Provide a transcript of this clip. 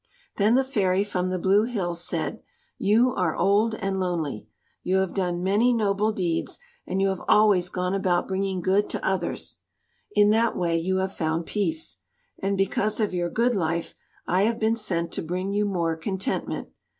Then the fairy from the blue hills said, "You are old and lonely. You have done many noble deeds, and you have always gone about bringing good to others. In that way you have found peace. And because of your good life, I have been sent to bring you more contentment.